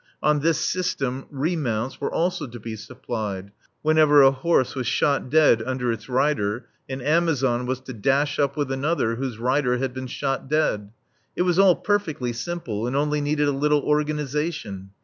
On this system "remounts" were also to be supplied. Whenever a horse was shot dead under its rider, an Amazon was to dash up with another whose rider had been shot dead. It was all perfectly simple and only needed a little "organization."